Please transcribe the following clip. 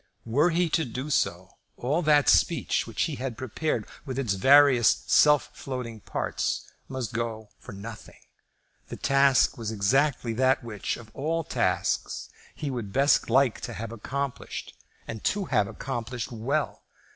Were he to do so, all that speech which he had prepared, with its various self floating parts, must go for nothing. The task was exactly that which, of all tasks, he would best like to have accomplished, and to have accomplished well.